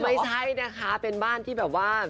ไม่ใช่นะคะเป็นบ้านที่แบบว่า